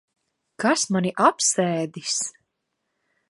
Kas mani apsēdis?